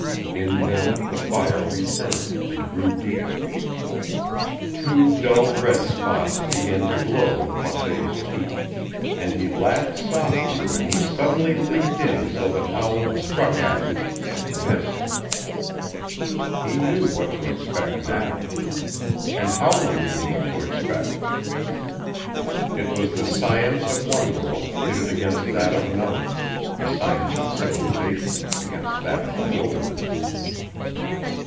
In them the fire returned and grew deeper. Two dull red spots began to glow in Croisset's cheeks, and he laughed softly when he suddenly leaped in so that Howland struck at him and missed. He knew what to expect now. And Howland knew what to expect. It was the science of one world pitted against that of another the science of civilization against that of the wilderness.